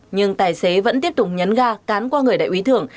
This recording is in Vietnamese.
nhưng tài xế vẫn tiếp tục nhấn ga cán qua người đại úy thưởng